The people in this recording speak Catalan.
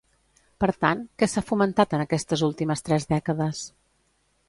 Per tant, què s'ha fomentat en aquestes últimes tres dècades?